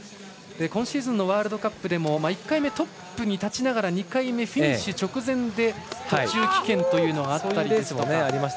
今シーズンのワールドカップでも１回目トップに立ちながら２回目、フィニッシュ直前で途中棄権というのがあったり。